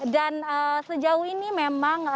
dan sejauh ini memang